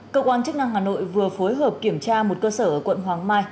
cơ quan chức năng hà nội vừa phối hợp kiểm tra một cơ sở ở quận hoàng mai